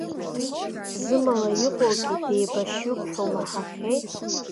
Зымала иҟоугьы деибашьҩуп ҳәа умаҳахьеи?